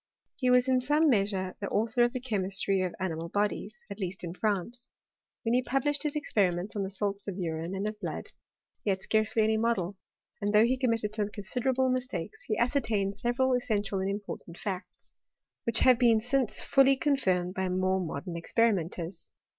He was in some measure the author of the chemistry of animal bodies, at least in France. When he published his experi ments on the salts of urine, and of blood, he had scarcely any model ; and though he committed some considerable mistakesi he ascertained several e&^ikXv^ 302 BItTOAT OF CHEMISTRY* and important facts, which have been since fully con* firmed by more modern experimenters.